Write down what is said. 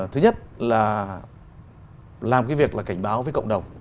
thứ nhất là làm cái việc là cảnh báo với cộng đồng